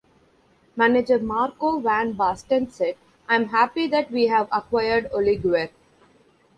Manager Marco van Basten said: I am happy that we have acquired Oleguer.